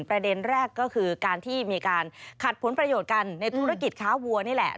ประเด็นแรกก็คือการที่มีการขัดผลประโยชน์กันในธุรกิจค้าวัวนี่แหละ